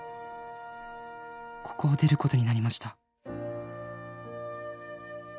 「ここを出ることになりました」